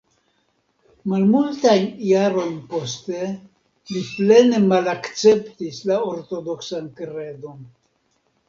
Malmultajn jarojn poste li plene malakceptis la ortodoksan kredon.